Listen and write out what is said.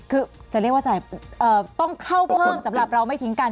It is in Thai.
คือจะเรียกว่าต้องเข้าเพิ่มสำหรับเราไม่ทิ้งกัน